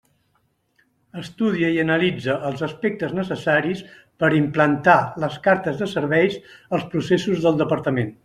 Estudia i analitza els aspectes necessaris per implantar les cartes de serveis als processos del Departament.